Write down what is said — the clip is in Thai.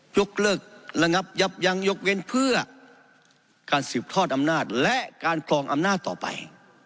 ยกเลิกระงับยับยั้งยกเว้นเพื่อการสืบทอดอำนาจและการครองอำนาจต่อไป